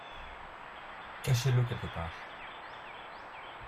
Cachez-le quelque part.